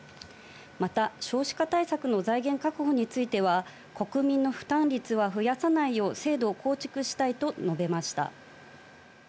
また、少子化対策の財源確保については国民の負担率は増やさないよう、制度を構築したいと述べました。